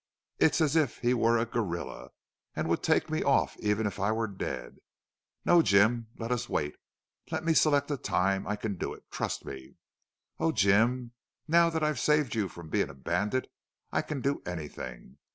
It's as if he were a gorilla and would take me off even if I were dead!... No, Jim, let us wait. Let me select the time. I can do it. Trust me. Oh, Jim, now that I've saved you from being a bandit, I can do anything.